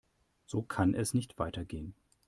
So kann es nicht weitergehen.